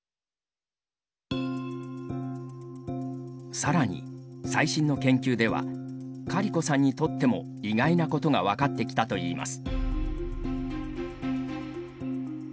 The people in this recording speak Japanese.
さらに最新の研究ではカリコさんにとっても意外なことが分かってきたといいます。